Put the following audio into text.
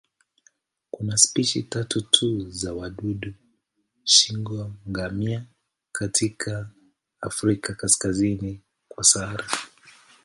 Kuna spishi tatu tu za wadudu shingo-ngamia katika Afrika kaskazini kwa Sahara.